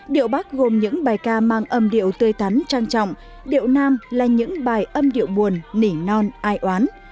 điệu bắc gồm những bài ca mang âm điệu tươi tắn trang trọng điệu nam là những bài âm điệu buồn nỉ non ai oán